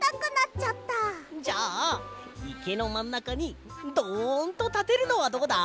じゃあいけのまんなかにどんとたてるのはどうだ？